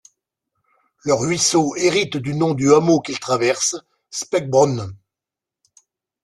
Le ruisseau hérite du nom du hameau qu'il traverse, Speckbronn.